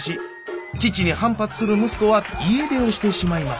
父に反発する息子は家出をしてしまいます。